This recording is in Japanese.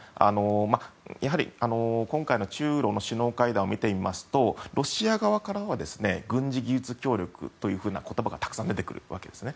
やはり今回の中ロの首脳会談を見てみますとロシア側からは軍事技術協力という言葉がたくさん出てくるわけですね。